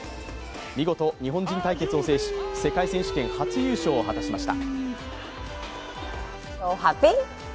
見事、日本人対決を制し、世界選手権初優勝を果たしました。